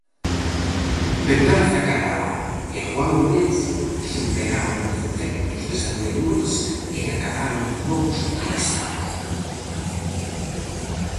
Venganza catalá e Juan Lorenzo superaron defectos das anteriores e acadaron novos éxitos.